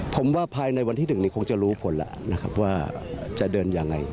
ผมว่าภายในวันที่๑นี้คงจะรู้ผลแล้วนะครับว่าจะเดินยังไง